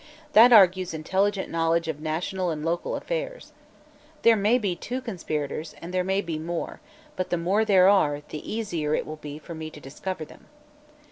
That argues intelligent knowledge of national and local affairs. There may be but two conspirators, and there may be more, but the more there are, the easier it will be for me to discover them."